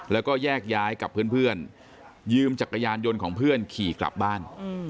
แล้วก็แยกย้ายกับเพื่อนยืมจักรยานยนต์ของเพื่อนขี่กลับบ้าน